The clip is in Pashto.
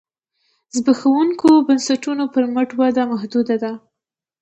زبېښونکو بنسټونو پر مټ وده محدوده ده.